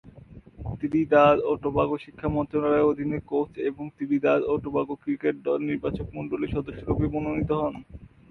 Trinidad ও টোবাগোর শিক্ষা মন্ত্রণালয়ের অধীনে কোচ এবং ত্রিনিদাদ ও টোবাগোর ক্রিকেট দল নির্বাচকমণ্ডলীর সদস্যরূপে মনোনীত হন।